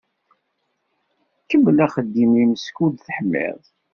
Kemmel axeddim-im skud teḥmiḍ.